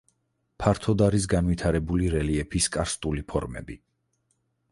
ფართოდ არის განვითარებული რელიეფის კარსტული ფორმები.